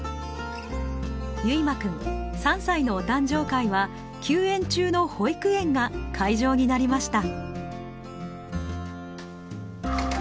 唯真くん３歳のお誕生会は休園中の保育園が会場になりました。